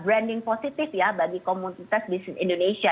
branding positif ya bagi komunitas bisnis indonesia